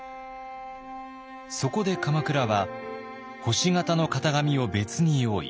そこで鎌倉は星形の型紙を別に用意。